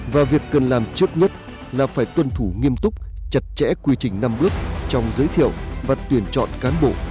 và việc cần làm trước nhất là phải tuân thủ nghiêm túc chặt chẽ quy trình năm bước trong giới thiệu và tuyển chọn cán bộ